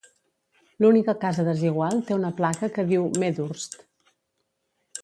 L'única casa desigual té una placa que diu "Medhurst".